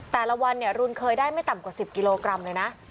แต่ละวันรุนเคยได้ไม่ต่ำกว่า๑๐กิโลกรัมเลยนะ